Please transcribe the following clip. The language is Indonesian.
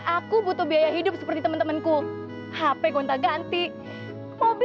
aku gak ngerti jalan fikiran kau